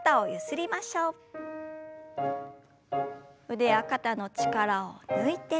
腕や肩の力を抜いて。